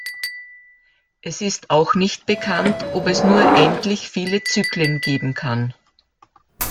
Es ist auch nicht bekannt, ob es nur endlich viele Zyklen geben kann.